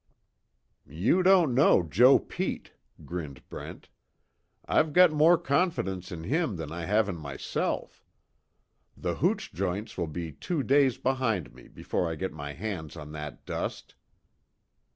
"You don't know Joe Pete," grinned Brent. "I've got more confidence in him than I have in myself. The hooch joints will be two days behind me before I get my hands on that dust."